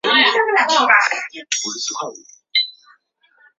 母亲是侧室高木敦子。